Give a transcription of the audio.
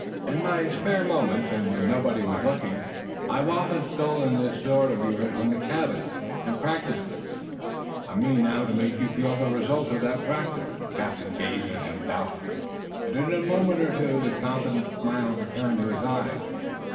In my spare moments and when nobody was looking I've often stolen this sword of yours from the cabin and practiced with it. I mean now to make you feel the result of that practice." The captain gazed at him doubtfully, but in a moment or two the confident smile returned to his eyes.